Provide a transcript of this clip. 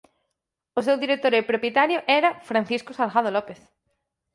O seu director e propietario era Francisco Salgado López.